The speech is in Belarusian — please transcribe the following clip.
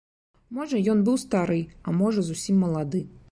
Можа ён быў стары, а можа зусім малады.